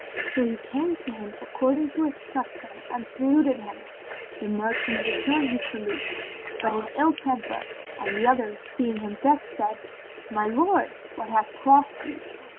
So he came to him according to his custom and saluted him. The merchant returned his salute, but in ill temper, and the other, seeing him vexed, said, "O my lord, what hath crossed thee?"